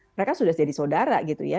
mereka sudah jadi saudara gitu ya